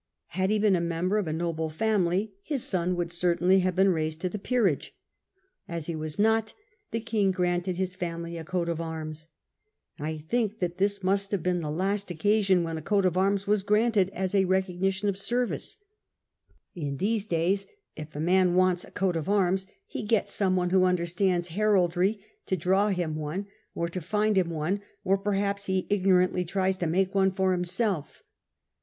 Had he been a member of a noble family his son would certainly have been raised to the peerage. As he was not, the king granted his family a coat of arms. I think that this must have XIV HIS COAT OF ARMS 1S7 been the lust occasion when a coat of arms was granted as a recognition of service. In these days, if a man wants a coat of arms, he gets some one who understands heraldry to draw him one or to find him one, or perhaps he ignorantly tries to make one for himself.